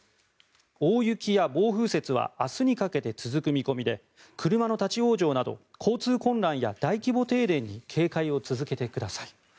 大雪や暴風雪は明日にかけて続く見込みで車の立ち往生など交通混乱や大規模停電に警戒を続けてください。